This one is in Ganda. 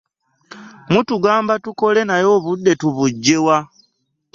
Mutugamba tukole naye obudde tubuggye wa?